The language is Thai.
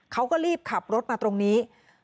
เขาก็รีบขับรถมาตรงนี้